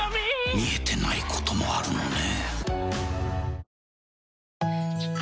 見えてないこともあるのね。